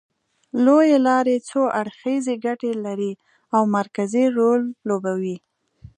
لوېې لارې څو اړخیزې ګټې لري او مرکزي رول لوبوي